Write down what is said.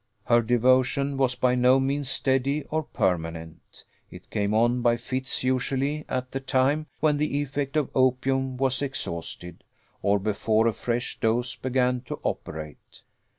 Her devotion was by no means steady or permanent; it came on by fits usually at the time when the effect of opium was exhausted, or before a fresh dose began to operate.